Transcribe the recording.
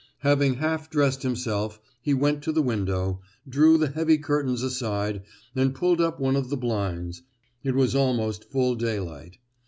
Having half dressed himself, he went to the window, drew the heavy curtains aside and pulled up one of the blinds, it was almost full daylight.